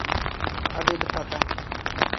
Ev ê biteqe.